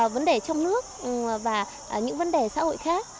vấn đề trong nước và những vấn đề xã hội khác